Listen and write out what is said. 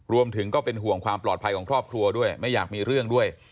รวมถึงก็เป็นห่วงความปลอดภัยของครอบครัวด้วยไม่อยากมีเรื่องด้วย